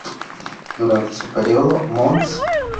Durante su período, Mons.